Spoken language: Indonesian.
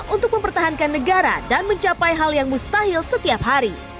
untuk mempertahankan negara dan mencapai hal yang mustahil setiap hari